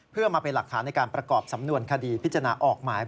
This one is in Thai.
เพื่อมาเป็นหลักฐานในการประกอบสำนวนคดีพิจารณาออกหมาย